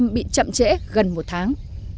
năm mươi bị chậm trễ gần một tháng